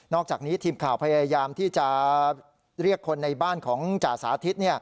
อกจากนี้ทีมข่าวพยายามที่จะเรียกคนในบ้านของจ่าสาธิต